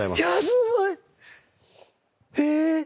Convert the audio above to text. すごい！え！